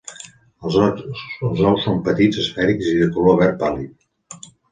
Els ous són petits, esfèrics i de color verd pàl·lid.